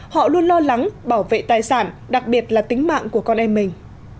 họ luôn lo lắng bảo vệ tài sản đặc biệt là tính mạng của con em mình